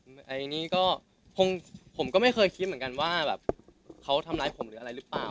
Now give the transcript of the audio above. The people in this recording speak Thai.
มันก็ไม่เคยคิดเหมือนกันว่าเขาทำร้ายผมหรืออะไรหรือเปล่า